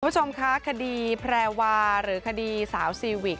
คุณผู้ชมคะคดีแพรวาหรือคดีสาวซีวิก